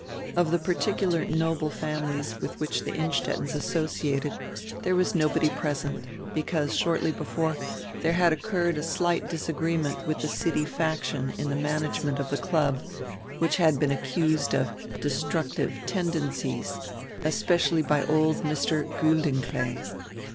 Of die particular noble fami lies with which die Innstettens associated there was nobody present, because, shortly before, there had occurred a slight disagreement with die city faction in die management of die club, which had been accused of "destructive tenden cies," especially by old Mr. Guldenklee.